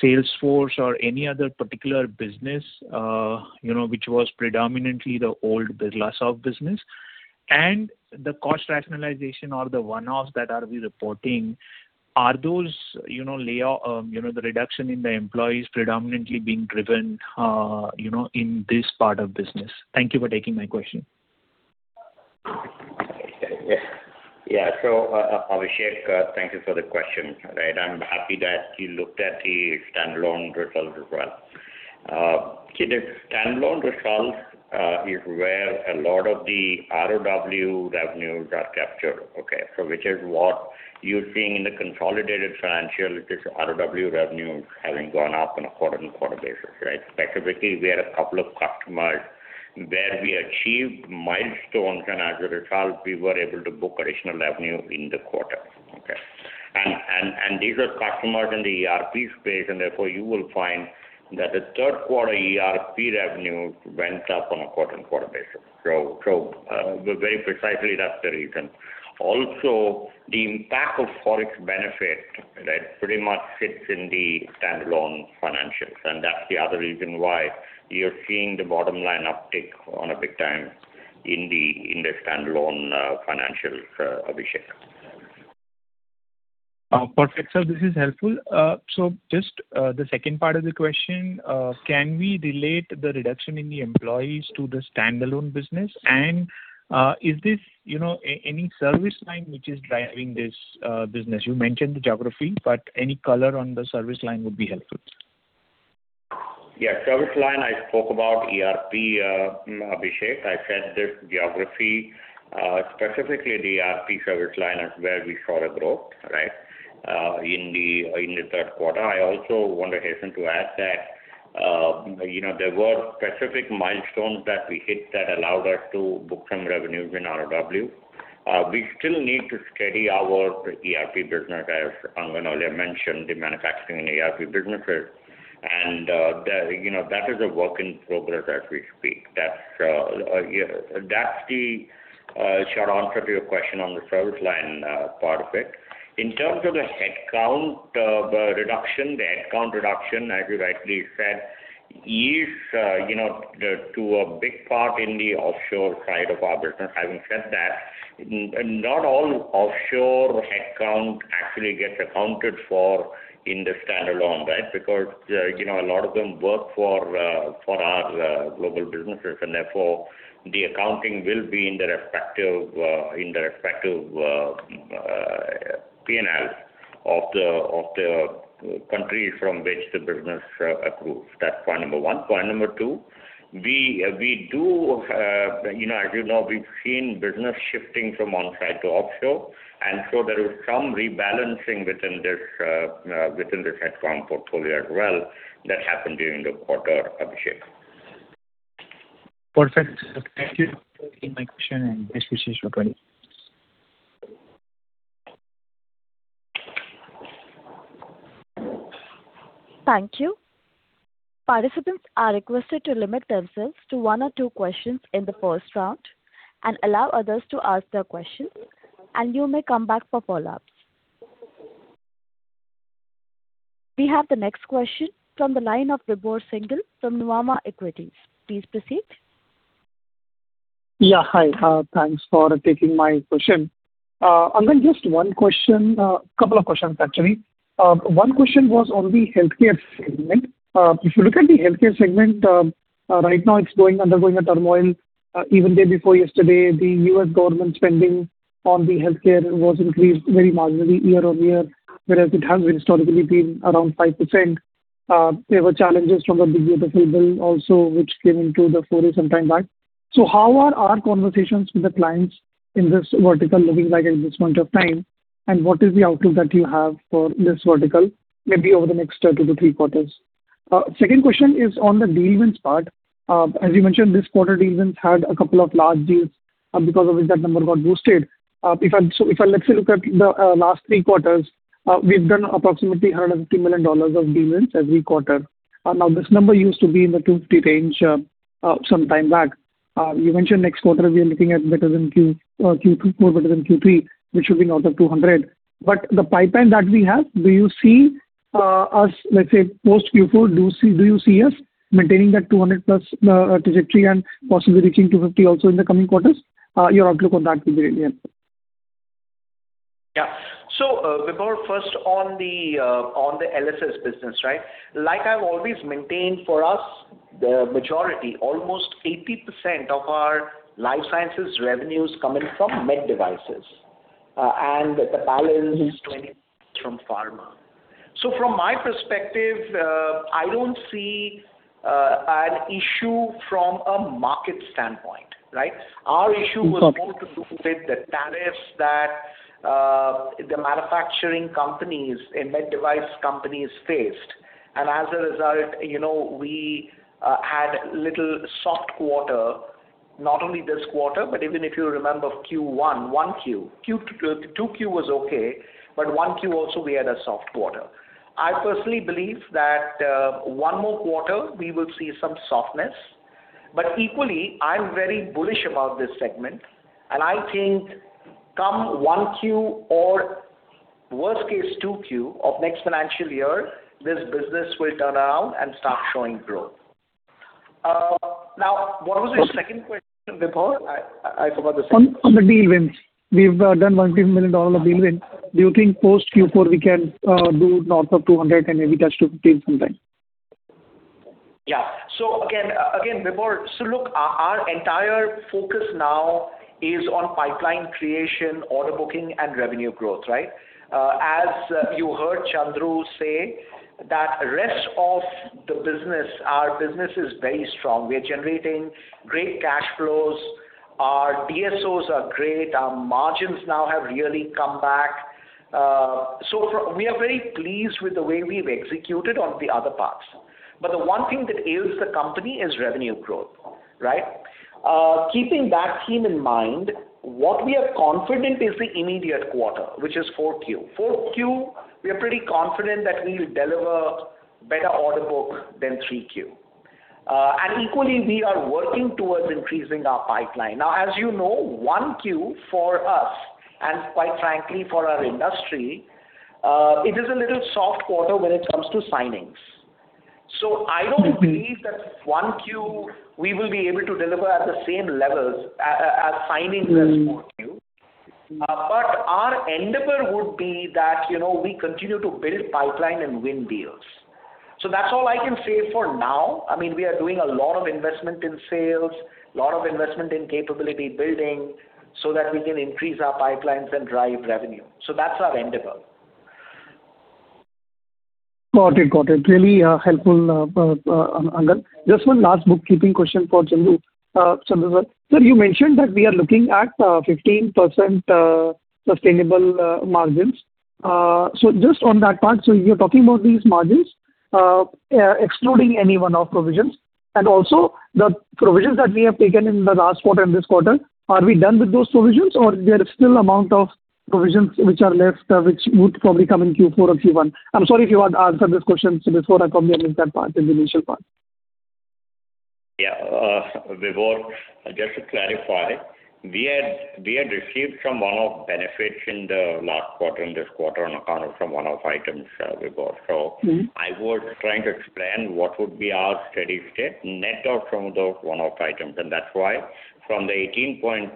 S7: sales force or any other particular business, you know, which was predominantly the old Birlasoft business? And the cost rationalization or the one-offs that are we reporting, are those, you know, the reduction in the employees predominantly being driven, you know, in this part of business? Thank you for taking my question.
S4: Yeah. So, Abhishek, thank you for the question, right. I'm happy that you looked at the standalone results as well. The standalone results is where a lot of the ROW revenues are captured, okay? So which is what you're seeing in the consolidated financials, it's ROW revenues having gone up on a quarter-on-quarter basis, right? Specifically, we had a couple of customers where we achieved milestones, and as a result, we were able to book additional revenue in the quarter. Okay? And these are customers in the ERP space, and therefore, you will find that the third quarter ERP revenue went up on a quarter-on-quarter basis. So, very precisely, that's the reason. Also, the impact of Forex benefit, right, pretty much sits in the standalone financials, and that's the other reason why you're seeing the bottom line uptick on a big time in the standalone financials, Abhishek.
S7: Perfect, sir. This is helpful. So just the second part of the question, can we relate the reduction in the employees to the standalone business? And is this, you know, any service line which is driving this business? You mentioned the geography, but any color on the service line would be helpful.
S4: Yeah, service line, I spoke about ERP, Abhishek. I said this geography, specifically the ERP service line is where we saw a growth, right?... in the third quarter. I also want to hasten to add that, you know, there were specific milestones that we hit that allowed us to book some revenues in ROW. We still need to steady our ERP business, as Angan earlier mentioned, the manufacturing and ERP businesses. And, you know, that is a work in progress as we speak. That's, yeah, that's the short answer to your question on the service line, part of it. In terms of the headcount reduction, the headcount reduction, as you rightly said, is, you know, to a big part in the offshore side of our business. Having said that, not all offshore headcount actually gets accounted for in the standalone, right? Because, you know, a lot of them work for our global businesses, and therefore, the accounting will be in their respective P&Ls of the countries from which the business approves. That's point number one. Point number two, we do have. You know, as you know, we've seen business shifting from on-site to offshore, and so there is some rebalancing within this headcount portfolio as well, that happened during the quarter, Abhishek.
S7: Perfect. Thank you for taking my question, and best wishes for 2023.
S1: Thank you. Participants are requested to limit themselves to one or two questions in the first round and allow others to ask their questions, and you may come back for follow-ups. We have the next question from the line of Vibhor Singhal from Nuvama Equities. Please proceed.
S9: Yeah, hi. Thanks for taking my question. Angan, just one question, couple of questions, actually. One question was on the healthcare segment. If you look at the healthcare segment, right now, it's undergoing a turmoil. Even day before yesterday, the U.S. government spending on the healthcare was increased very marginally year-on-year, whereas it has historically been around 5%. There were challenges from the Build Back Better Bill also, which came to the fore some time back. So how are our conversations with the clients in this vertical looking like at this point of time? And what is the outlook that you have for this vertical, maybe over the next, two to three quarters? Second question is on the deal wins part. As you mentioned, this quarter, deal wins had a couple of large deals because of which that number got boosted. So if I let's say look at the last three quarters, we've done approximately $150 million of deal wins every quarter. Now, this number used to be in the $250 range some time back. You mentioned next quarter, we are looking at better than Q2. More better than Q3, which should be north of $200. But the pipeline that we have, do you see us, let's say, post-Q4, do you see us maintaining that $200+ trajectory and possibly reaching $250 also in the coming quarters? Your outlook on that would be really helpful.
S3: Yeah. So, Vibhor, first on the on the LSS business, right? Like I've always maintained, for us, the majority, almost 80% of our life sciences revenues coming from med devices, and the balance 20 from pharma. So from my perspective, I don't see an issue from a market standpoint, right?
S9: Okay.
S3: Our issue was more to do with the tariffs that the manufacturing companies and med device companies faced. And as a result, you know, we had little soft quarter, not only this quarter, but even if you remember Q1, one Q. Two Q was okay, but one Q also, we had a soft quarter. I personally believe that one more quarter, we will see some softness, but equally, I'm very bullish about this segment, and I think come one Q or worst case, two Q of next financial year, this business will turn around and start showing growth. Now, what was your second question, Vibhor? I forgot the second-
S9: On the deal wins. We've done $150 million of deal win. Do you think post-Q4, we can do north of $200 million and maybe touch $250 million sometime?
S3: Yeah. So again, again, Vibhor, so look, our, our entire focus now is on pipeline creation, order booking, and revenue growth, right? As you heard Chandru say that rest of the business, our business is very strong. We are generating great cash flows. Our DSOs are great. Our margins now have really come back. So we are very pleased with the way we've executed on the other parts. But the one thing that ails the company is revenue growth, right? Keeping that theme in mind, what we are confident is the immediate quarter, which is four Q. Four Q, we are pretty confident that we will deliver better order book than three Q. And equally, we are working towards increasing our pipeline. Now, as you know, Q1 for us, and quite frankly, for our industry, it is a little soft quarter when it comes to signings.
S9: Mm-hmm.
S3: So I don't believe that 1Q, we will be able to deliver at the same levels, as signings as 4Q.
S9: Mm-hmm.
S3: But our endeavor would be that, you know, we continue to build pipeline and win deals. So that's all I can say for now. I mean, we are doing a lot of investment in sales, a lot of investment in capability building so that we can increase our pipelines and drive revenue. So that's our endeavor....
S9: Got it, got it. Really, helpful, Angan. Just one last bookkeeping question for Chandru. Chandru, sir, you mentioned that we are looking at 15% sustainable margins. So just on that part, so you're talking about these margins excluding any one-off provisions, and also the provisions that we have taken in the last quarter and this quarter, are we done with those provisions, or there is still amount of provisions which are left, which would probably come in Q4 or Q1? I'm sorry if you had answered this question before I come in that part, in the initial part.
S4: Yeah, Vibhor, just to clarify, we had, we had received some one-off benefits in the last quarter and this quarter on account of some one-off items, Vibhor.
S9: Mm-hmm.
S4: So I was trying to explain what would be our steady state net of from those one-off items, and that's why from the 18.2%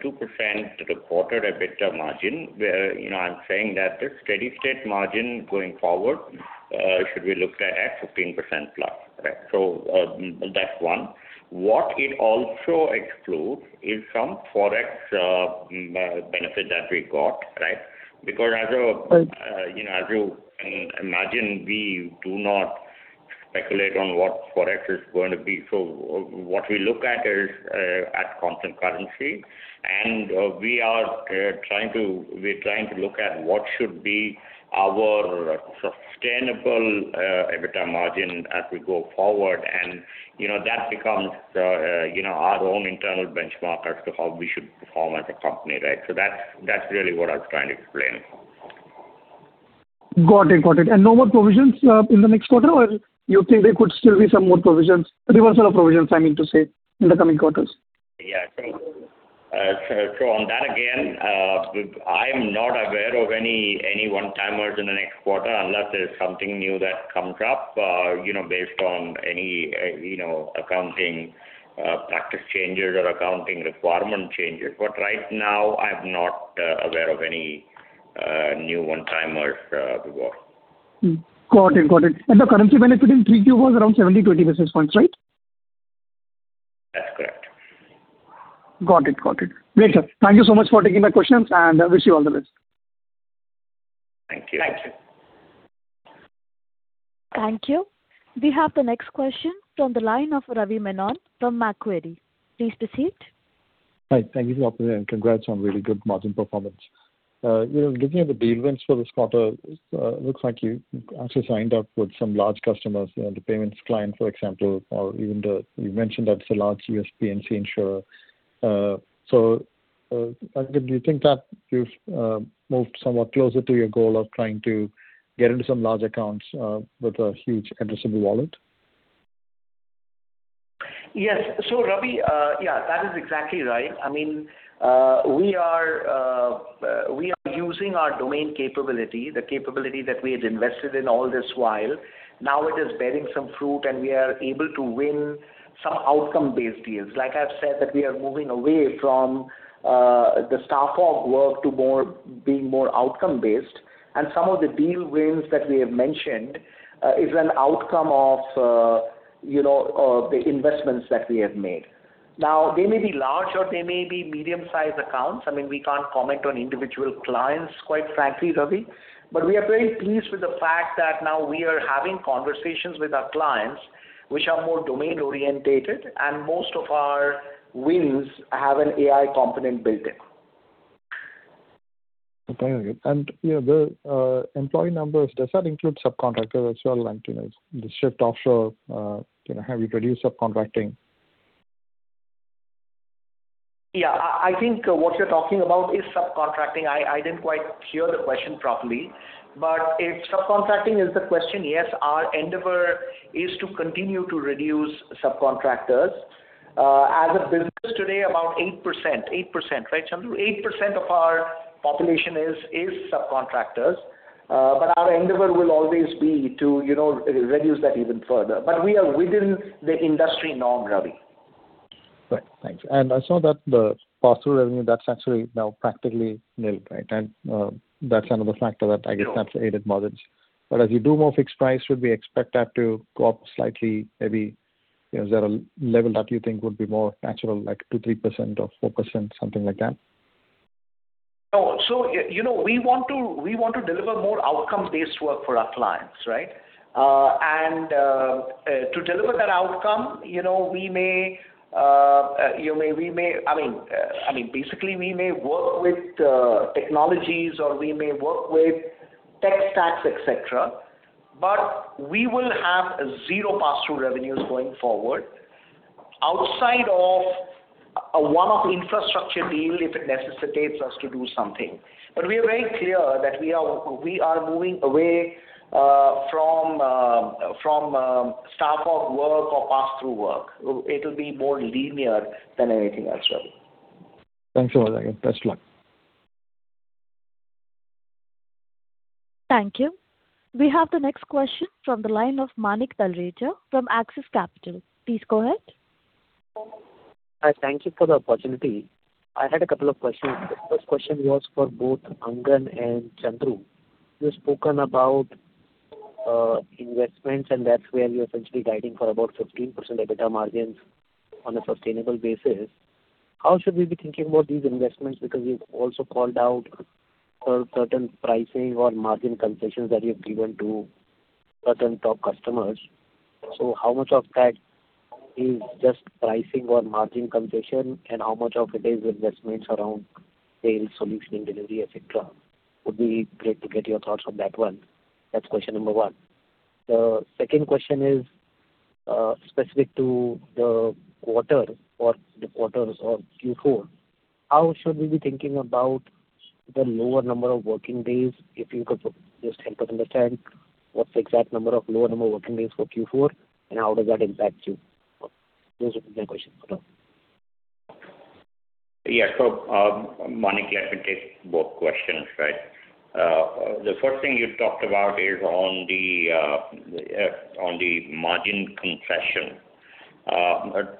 S4: reported EBITDA margin, where, you know, I'm saying that the steady state margin going forward should be looked at at 15%+, right? So that's one. What it also excludes is some Forex benefit that we got, right? Because as a-
S9: Right.
S4: You know, as you can imagine, we do not speculate on what Forex is going to be. So what we look at is at constant currency, and we are trying to look at what should be our sustainable EBITDA margin as we go forward. And, you know, that becomes the, you know, our own internal benchmark as to how we should perform as a company, right? So that's, that's really what I was trying to explain.
S9: Got it, got it. And no more provisions in the next quarter, or you think there could still be some more provisions, reversal of provisions, I mean to say, in the coming quarters?
S4: Yeah. So on that again, I'm not aware of any one-timers in the next quarter unless there's something new that comes up, you know, based on any, you know, accounting practice changes or accounting requirement changes. But right now, I'm not aware of any new one-timers, Vibhor.
S9: Got it, got it. The currency benefit in Q2 was around 72 basis points, right?
S4: That's correct.
S9: Got it. Got it. Great, sir. Thank you so much for taking my questions, and I wish you all the best.
S4: Thank you.
S1: Thank you. Thank you. We have the next question from the line of Ravi Menon from Macquarie. Please proceed.
S10: Hi, thank you for the opportunity, and congrats on really good margin performance. You know, looking at the deal wins for this quarter, looks like you actually signed up with some large customers, you know, the payments client, for example, or even you mentioned that it's a large U.S. PNC insurer. So, do you think that you've moved somewhat closer to your goal of trying to get into some large accounts, with a huge addressable wallet?
S3: Yes. So, Ravi, yeah, that is exactly right. I mean, we are using our domain capability, the capability that we had invested in all this while. Now it is bearing some fruit, and we are able to win some outcome-based deals. Like I've said, that we are moving away from the staff augmentation to more being outcome-based, and some of the deal wins that we have mentioned is an outcome of, you know, the investments that we have made. Now, they may be large or they may be medium-sized accounts. I mean, we can't comment on individual clients, quite frankly, Ravi. But we are very pleased with the fact that now we are having conversations with our clients which are more domain-oriented, and most of our wins have an AI component built in.
S10: Okay. And, yeah, the employee numbers, does that include subcontractors as well? And, you know, the shift offshore, you know, have you reduced subcontracting?
S3: Yeah, I think what you're talking about is subcontracting. I didn't quite hear the question properly, but if subcontracting is the question, yes, our endeavor is to continue to reduce subcontractors. As of business today, about 8%, 8%, right, Chandru? 8% of our population is subcontractors. But our endeavor will always be to, you know, reduce that even further. But we are within the industry norm, Ravi.
S10: Right. Thanks. And I saw that the pass-through revenue, that's actually now practically nil, right? And that's another factor that I guess has aided margins. But as you do more fixed price, should we expect that to go up slightly, maybe, you know, is there a level that you think would be more natural, like 2, 3% or 4%, something like that?
S3: So, you know, we want to deliver more outcome-based work for our clients, right? And to deliver that outcome, you know, we may, I mean, basically, we may work with technologies, or we may work with tech stacks, et cetera, but we will have zero pass-through revenues going forward, outside of a one-off infrastructure deal, if it necessitates us to do something. But we are very clear that we are moving away from staff aug work or pass-through work. It'll be more linear than anything else, Ravi.
S10: Thanks a lot. Best of luck.
S1: Thank you. We have the next question from the line of Manik Taneja from Axis Capital. Please go ahead.
S11: Hi, thank you for the opportunity. I had a couple of questions. The first question was for both Angan and Chandru. You've spoken about investments, and that's where you're essentially guiding for about 15% EBITDA margins on a sustainable basis. ...How should we be thinking about these investments? Because you've also called out for certain pricing or margin concessions that you have given to certain top customers. So how much of that is just pricing or margin concession, and how much of it is investments around sales, solution, delivery, et cetera? Would be great to get your thoughts on that one. That's question number one. The second question is, specific to the quarter or the quarters or Q4. How should we be thinking about the lower number of working days? If you could just help us understand what's the exact number of lower number working days for Q4, and how does that impact you? Those are my questions for now.
S4: Yeah. So, Manik, let me take both questions, right? The first thing you talked about is on the margin concession.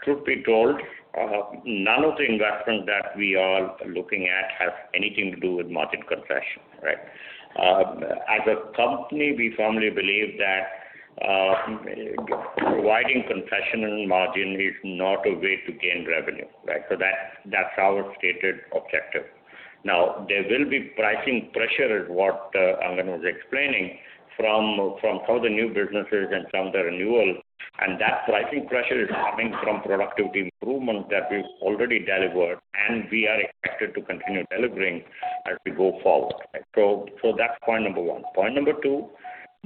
S4: Truth be told, none of the investments that we are looking at have anything to do with margin concession, right? As a company, we firmly believe that providing concession and margin is not a way to gain revenue, right? So that's our stated objective. Now, there will be pricing pressure at what Angan was explaining from some of the new businesses and from the renewals, and that pricing pressure is coming from productivity improvement that we've already delivered, and we are expected to continue delivering as we go forward. So that's point number one. Point number two,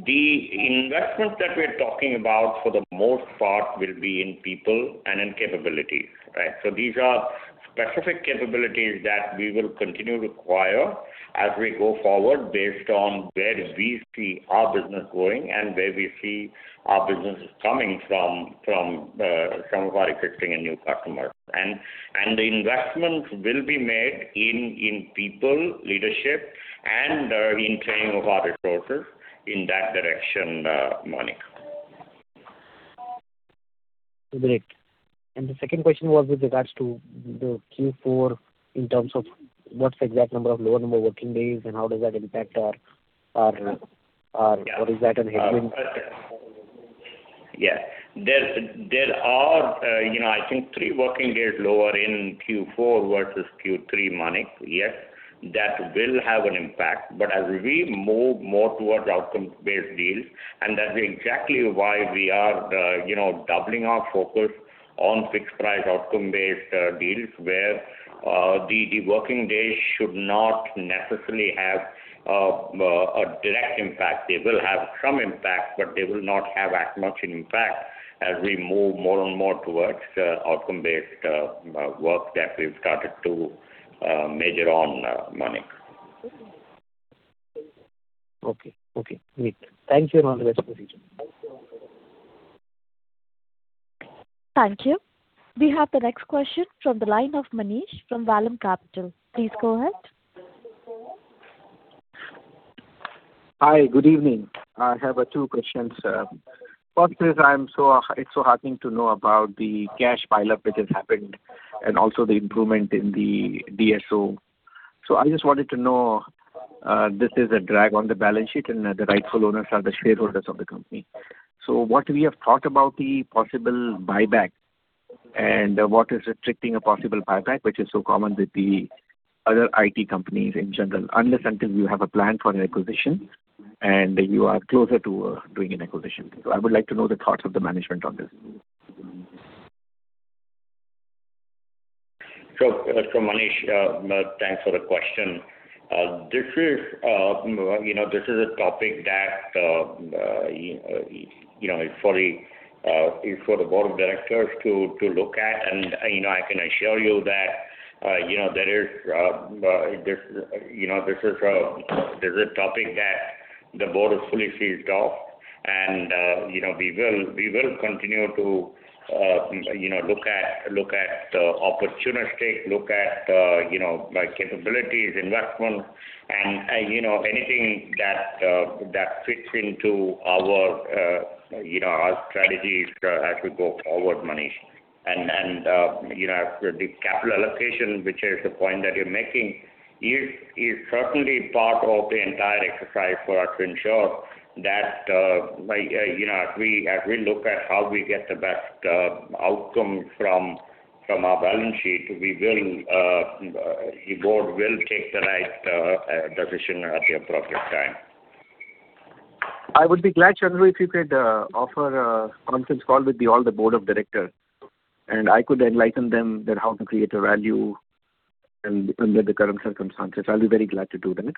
S4: the investment that we're talking about for the most part will be in people and in capabilities, right? So these are specific capabilities that we will continue to require as we go forward based on where we see our business going and where we see our businesses coming from some of our existing and new customers. And the investments will be made in people, leadership, and in training of our resources in that direction, Manik.
S11: Great. The second question was with regards to the Q4, in terms of what's the exact number of lower number working days and how does that impact our...
S4: Yeah.
S11: What is that on headroom?
S4: Yeah. There are, you know, I think three working days lower in Q4 versus Q3, Manik. Yes, that will have an impact. But as we move more towards outcomes-based deals, and that's exactly why we are, you know, doubling our focus on fixed price, outcome-based deals, where the working days should not necessarily have a direct impact. They will have some impact, but they will not have as much impact as we move more and more towards outcome-based work that we've started to measured on, Manik.
S11: Okay. Okay, great. Thank you, and all the best for the future.
S1: Thank you. We have the next question from the line of Manish from Vallum Capital. Please go ahead.
S12: Hi, good evening. I have two questions, sir. First is, it's so heartening to know about the cash pile-up which has happened and also the improvement in the DSO. So I just wanted to know, this is a drag on the balance sheet, and the rightful owners are the shareholders of the company. So what we have thought about the possible buyback, and what is restricting a possible buyback, which is so common with the other IT companies in general, unless until you have a plan for an acquisition and you are closer to doing an acquisition. So I would like to know the thoughts of the management on this.
S4: So, Manish, thanks for the question. This is, you know, a topic that, you know, is for the board of directors to look at. And, you know, I can assure you that, you know, this is a topic that the board is fully seized of, and, you know, we will continue to, you know, look at the opportunistic, you know, like, capabilities, investments, and, you know, anything that fits into our, you know, our strategies as we go forward, Manish. You know, the capital allocation, which is the point that you're making, is certainly part of the entire exercise for us to ensure that, like, you know, as we look at how we get the best outcome from our balance sheet, the board will take the right decision at the appropriate time.
S12: I would be glad, Chandru, if you could offer a conference call with all the board of directors, and I could enlighten them that how to create a value and under the current circumstances. I'll be very glad to do that.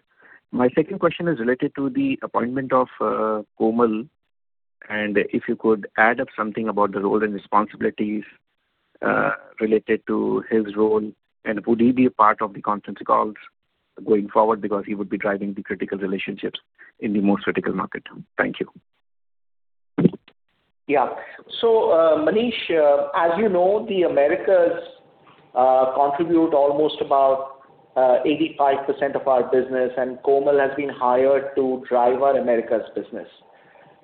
S12: My second question is related to the appointment of Kamal, and if you could add up something about the role and responsibilities related to his role, and would he be a part of the conference calls going forward? Because he would be driving the critical relationships in the most critical market. Thank you.
S3: Yeah. So, Manish, as you know, the Americas contribute almost about 85% of our business, and Kamal has been hired to drive our Americas business.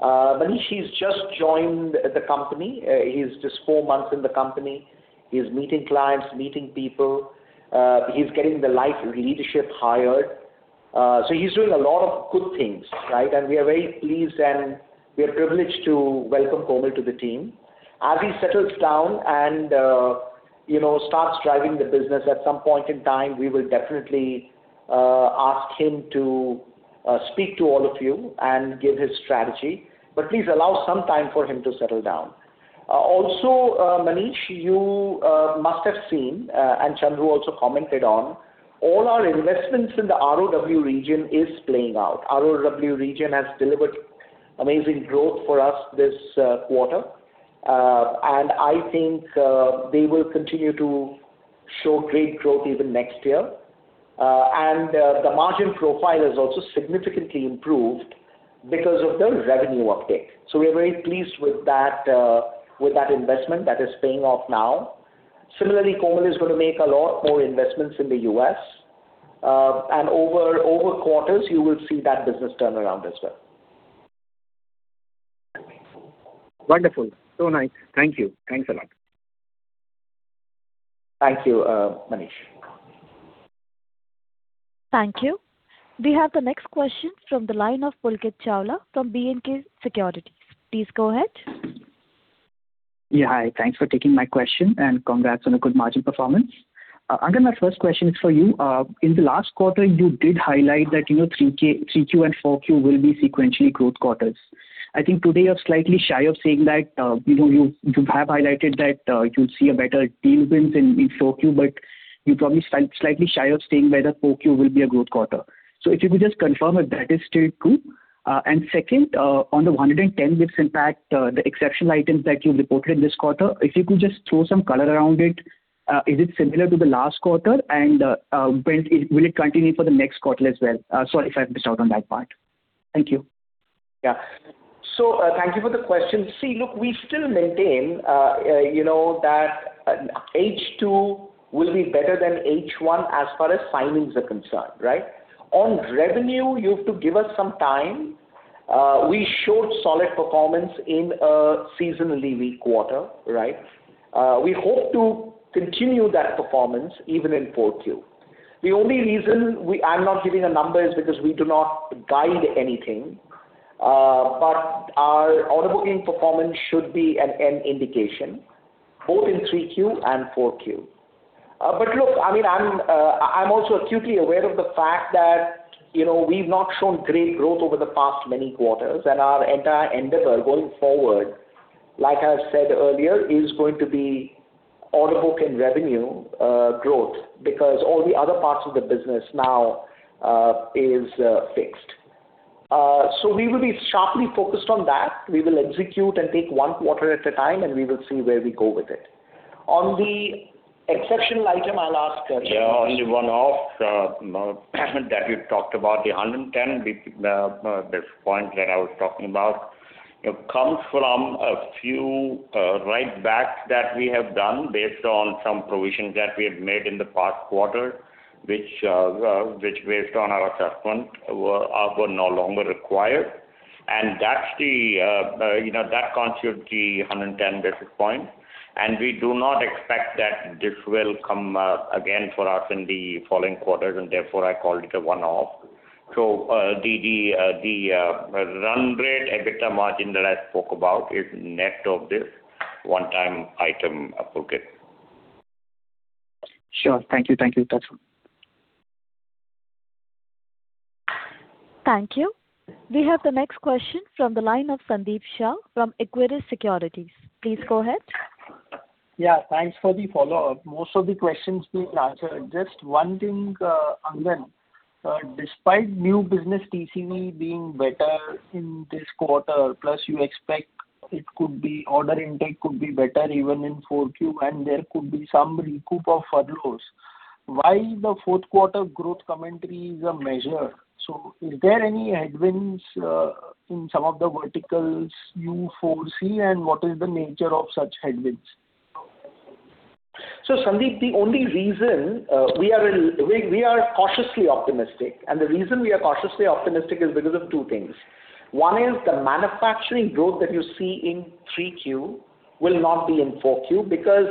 S3: Manish, he's just joined the company. He's just four months in the company. He's meeting clients, meeting people. He's getting the life leadership hired. So he's doing a lot of good things, right? And we are very pleased, and we are privileged to welcome Kamal to the team. As he settles down and, you know, starts driving the business, at some point in time, we will definitely ask him to speak to all of you and give his strategy. But please allow some time for him to settle down. Also, Manish, you must have seen, and Chandru also commented on, all our investments in the ROW region is playing out. ROW region has delivered amazing growth for us this quarter. And I think, they will continue to show great growth even next year. And, the margin profile has also significantly improved because of the revenue uptick. So we are very pleased with that, with that investment. That is paying off now. Similarly, Kamal is gonna make a lot more investments in the US. And over quarters, you will see that business turn around as well.
S12: Wonderful. So nice. Thank you. Thanks a lot.
S3: Thank you, Manish.
S1: Thank you. We have the next question from the line of Pulkit Chawla from B&K Securities. Please go ahead.
S13: Yeah, hi. Thanks for taking my question, and congrats on a good margin performance. Angan, my first question is for you. In the last quarter, you did highlight that, you know, Q3 and Q4 will be sequentially growth quarters. I think today you're slightly shy of saying that. You know, you have highlighted that you'll see a better deal wins in Q4, but you're probably slightly shy of saying whether Q4 will be a growth quarter. So if you could just confirm if that is still true? And second, on the 110 basis impact, the exceptional items that you reported this quarter, if you could just throw some color around it. Is it similar to the last quarter? And will it continue for the next quarter as well? Sorry if I missed out on that part. Thank you.
S3: Yeah. So, thank you for the question. See, look, we still maintain, you know, that H2 will be better than H1 as far as signings are concerned, right? On revenue, you have to give us some time. We showed solid performance in a seasonally weak quarter, right? We hope to continue that performance even in Q4. The only reason I'm not giving a number is because we do not guide anything. But our order booking performance should be an indication, both in Q3 and Q4. But look, I mean, I'm also acutely aware of the fact that, you know, we've not shown great growth over the past many quarters, and our entire endeavor going forward, like I said earlier, is going to be order book and revenue growth. Because all the other parts of the business now is fixed. So we will be sharply focused on that. We will execute and take one quarter at a time, and we will see where we go with it. On the exceptional item, I'll ask Chandru.
S4: Yeah, only one-off that you talked about, the 110 basis point that I was talking about. It comes from a few write-backs that we have done based on some provisions that we had made in the past quarter, which, based on our assessment, were no longer required. And that's, you know, that constitute the 110 basis point, and we do not expect that this will come up again for us in the following quarters, and therefore, I call it a one-off. So, the run rate EBITDA margin that I spoke about is net of this one-time item, Pulkit.
S13: Sure. Thank you. Thank you. That's all.
S1: Thank you. We have the next question from the line of Sandeep Shah from Equirus Securities. Please go ahead.
S5: Yeah, thanks for the follow-up. Most of the questions been answered. Just one thing, Angan. Despite new business TCV being better in this quarter, plus you expect order intake could be better even in four Q, and there could be some recoup of furloughs. Why the fourth quarter growth commentary is a measured? So is there any headwinds in some of the verticals you foresee, and what is the nature of such headwinds?
S3: So, Sandeep, the only reason we are cautiously optimistic, and the reason we are cautiously optimistic is because of two things. One is the manufacturing growth that you see in 3Q will not be in 4Q, because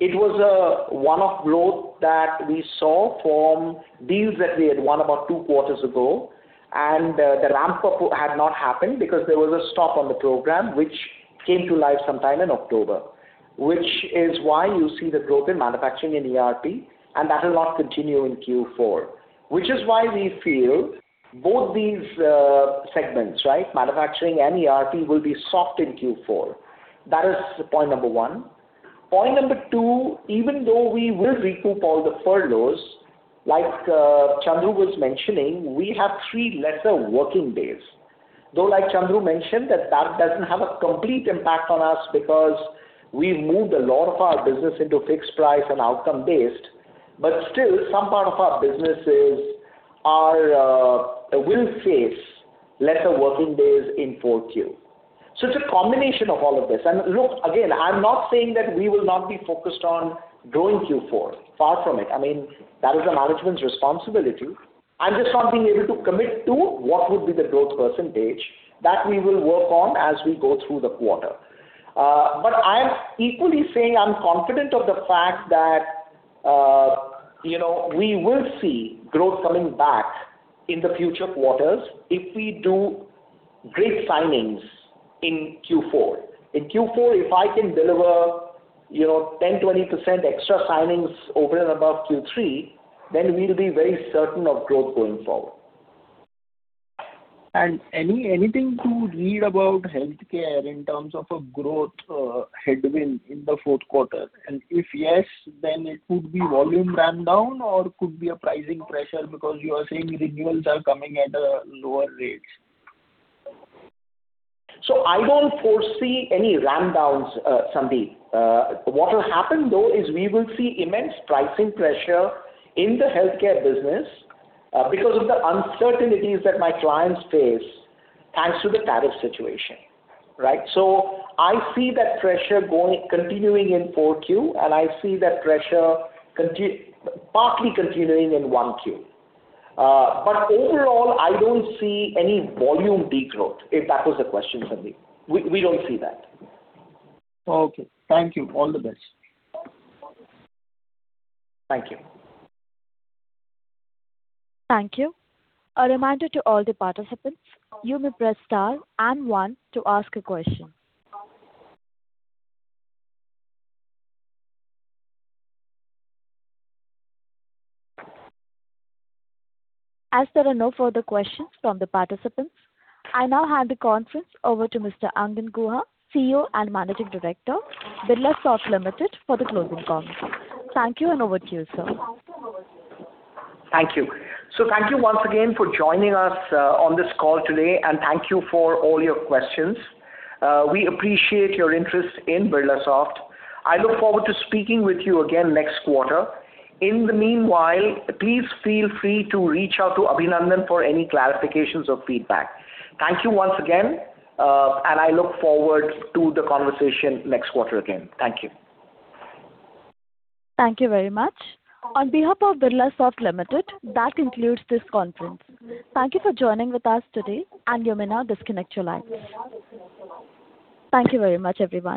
S3: it was a one-off growth that we saw from deals that we had won about two quarters ago. And the ramp-up had not happened because there was a stop on the program, which came to life sometime in October, which is why you see the growth in manufacturing and ERP, and that will not continue in Q4, which is why we feel both these segments, right, manufacturing and ERP, will be soft in Q4. That is point number one. Point number two, even though we will recoup all the furloughs, like Chandru was mentioning, we have three lesser working days. Though, like Chandru mentioned, that that doesn't have a complete impact on us because we've moved a lot of our business into fixed price and outcome-based, but still, some part of our businesses are will face lesser working days in Q4. So it's a combination of all of this. And look, again, I'm not saying that we will not be focused on growing Q4. Far from it. I mean, that is the management's responsibility. I'm just not being able to commit to what would be the growth percentage that we will work on as we go through the quarter. But I am equally saying I'm confident of the fact that, you know, we will see growth coming back in the future quarters if we do great signings in Q4. In Q4, if I can deliver, you know, 10%-20% extra signings over and above Q3, then we'll be very certain of growth going forward.
S5: Anything to read about healthcare in terms of a growth headwind in the fourth quarter? And if yes, then it could be volume ramp down or could be a pricing pressure because you are saying renewals are coming at lower rates.
S3: So I don't foresee any ramp downs, Sandeep. What will happen, though, is we will see immense pricing pressure in the healthcare business, because of the uncertainties that my clients face thanks to the tariff situation, right? So I see that pressure continuing in Q4, and I see that pressure partly continuing in Q1. But overall, I don't see any volume decline, if that was the question, Sandeep. We don't see that.
S5: Okay. Thank you. All the best.
S3: Thank you.
S1: Thank you. A reminder to all the participants, you may press star and one to ask a question. As there are no further questions from the participants, I now hand the conference over to Mr. Angan Guha, CEO and Managing Director, Birlasoft Limited, for the closing comments. Thank you, and over to you, sir.
S3: Thank you. So thank you once again for joining us on this call today, and thank you for all your questions. We appreciate your interest in Birlasoft. I look forward to speaking with you again next quarter. In the meanwhile, please feel free to reach out to Abhinandan for any clarifications or feedback. Thank you once again, and I look forward to the conversation next quarter again. Thank you.
S1: Thank you very much. On behalf of Birlasoft Limited, that concludes this conference. Thank you for joining with us today, and you may now disconnect your line. Thank you very much, everyone.